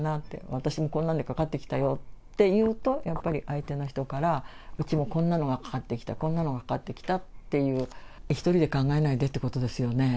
私にこんなんでかかってきたよって言うと、やっぱり相手の人から、うちもこんなのがかかってきた、こんなのがかかってきたっていう、１人で考えないでってことですよね。